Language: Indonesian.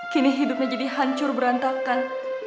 kini hidupnya jadi hancur berantakan